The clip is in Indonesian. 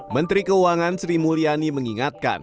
menteri keuangan sri mulyani mengingatkan